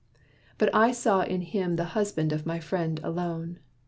But I saw In him the husband of my friend alone.